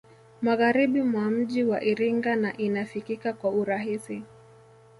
Magharibi mwa mji wa Iringa na inafikika kwa urahisi